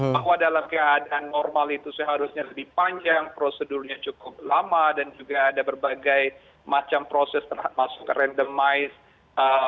bahwa dalam keadaan normal itu seharusnya lebih panjang prosedurnya cukup lama dan juga ada berbagai macam proses termasuk randomize